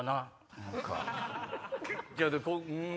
うん。